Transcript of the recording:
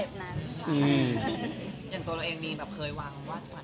อย่างตัวเราเองมีเคยวางวาดฝันไหมบ้างว่านั้น